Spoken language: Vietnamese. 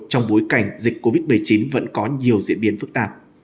trong bối cảnh dịch covid một mươi chín vẫn có nhiều diễn biến phức tạp